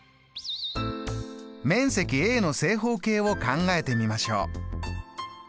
面積の正方形を考えてみましょう。